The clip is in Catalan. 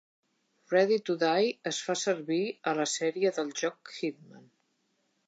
Ready to Die es fa servir a la sèrie del joc Hitman.